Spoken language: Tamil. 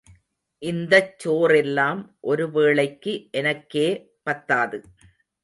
இந்தச் சோறெல்லாம் ஒரு வேளைக்கு எனக்கே பத்தாது.